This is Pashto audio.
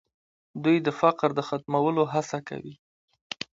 دوی د فقر د ختمولو هڅه کوي.